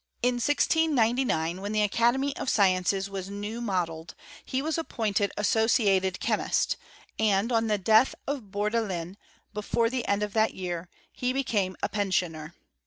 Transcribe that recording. In 1699 when the Academy of Sciences was new modelled, he was appointed associated chemist, and, on the death of Bourdelin, before the end of that year, he became a pensioner.